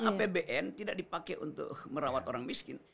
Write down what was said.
apbn tidak dipakai untuk merawat orang miskin